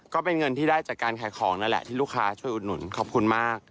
ก็เป็นเงินที่ได้จากการขายของนั่นแหละที่ลูกค้าช่วยอุดหนุนขอบคุณมาก